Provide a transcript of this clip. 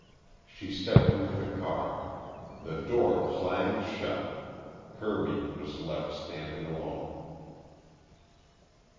She stepped into the car. The door clanged shut. Kirby was left standing alone.